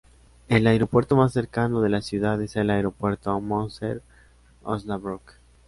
El aeropuerto más cercano a la ciudad es el Aeropuerto Münster-Osnabrück.